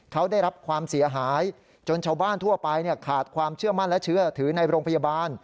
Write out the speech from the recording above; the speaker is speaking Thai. เขาได้รับความเสียหายจนชาวบ้านทั่วไปขาดความเชื่อมั่นและเชื่อถือในโรงพยาบาล